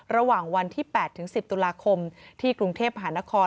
ระหว่างวันที่๘๑๐ตุลาคมที่กรุงเทพหานคร